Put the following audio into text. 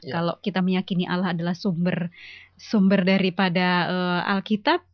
kalau kita meyakini allah adalah sumber daripada alkitab